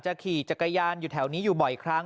ขี่จักรยานอยู่แถวนี้อยู่บ่อยครั้ง